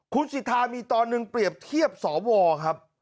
คุณสิทธามีตอนหนึ่งเปรียบเทียบสวครับ